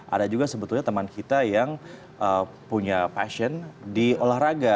ada juga sebetulnya teman kita yang punya passion di olahraga